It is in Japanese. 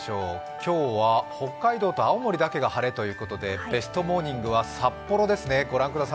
今日は北海道と青森だけが晴れということでベストモーニングは札幌ですね。